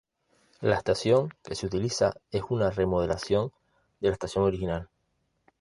La estación que se utiliza es una remodelación de la estación original.